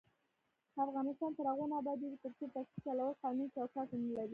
افغانستان تر هغو نه ابادیږي، ترڅو ټکسي چلول قانوني چوکاټ ونه لري.